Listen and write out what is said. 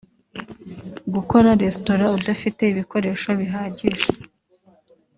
Gukora restaurant udafite ibikoresho bihagije